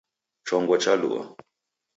Chongo chalua